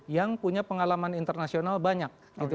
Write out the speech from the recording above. yang punya pengalaman internasional banyak